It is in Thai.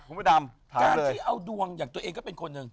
การที่เอาดวงอย่างตัวเองก็เป็นคนหนึ่ง